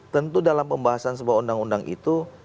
tentu dalam pembahasan sebuah undang undang itu